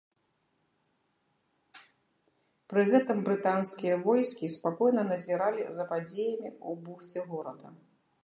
Пры гэтым брытанскія войскі спакойна назіралі за падзеямі ў бухце горада.